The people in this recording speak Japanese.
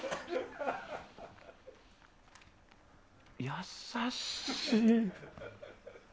優しい。